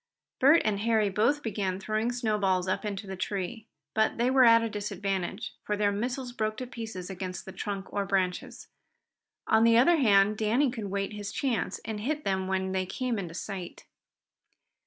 Bert and Harry both began throwing snowballs up into the tree, but they were at a disadvantage, for their missiles broke to pieces against the trunk or branches. On the other hand Danny could wait his chance and hit them when they came within sight.